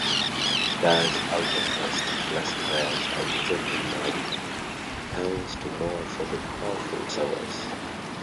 Thus, ultra-fast classifiers have recently emerged, thanks to more affordable powerful servers.